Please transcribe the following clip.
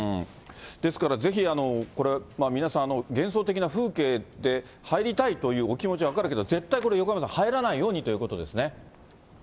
ですからぜひこれ、皆さん、幻想的な風景で入りたいというお気持ちは分かるけど、絶対これ、横山さん、入らないようにということですね。